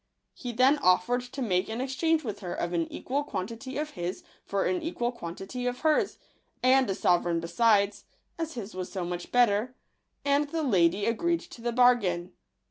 He then offered to make an exchange with her of an equal quantity of his for an equal quantity of hers, and a sovereign besides, as his was so much better; and the lady agreed to the bargain.